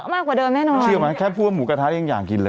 มากกว่าเดิมแน่นอนเชื่อไหมแค่พวกหมูกระทะยังอยากกินเลย